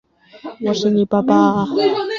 面片汤泛指以面片为主食的汤类食品。